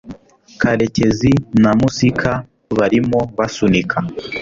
karecyezi na Musika barimo basunika